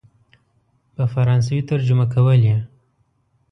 په فرانسوي ترجمه کولې.